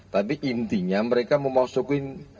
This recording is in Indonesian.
tapi intinya mereka memasukin